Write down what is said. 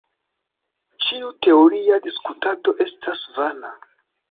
Ĉiu teoria diskutado estas vana.